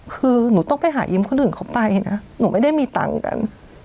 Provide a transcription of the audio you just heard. คือหนูต้องไปหายิ้มคนอื่นเขาไปนะหนูไม่ได้มีตังค์กัน